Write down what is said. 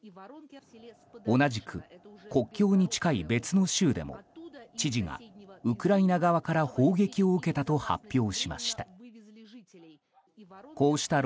同じく国境に近い別の州でも知事がウクライナ側から砲撃を受けたと発表しました。